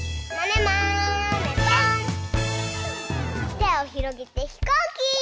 てをひろげてひこうき！